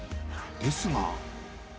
ですが。